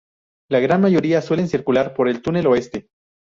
La gran mayoría suelen circular por el túnel oeste.